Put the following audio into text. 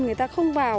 người ta không vào